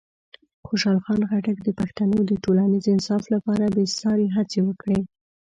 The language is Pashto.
خوشحال خان خټک د پښتنو د ټولنیز انصاف لپاره بېساري هڅې وکړې.